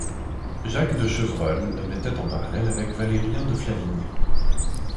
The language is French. Jacques du Chevreul le mettait en parallèle avec Valérien de Flavigny.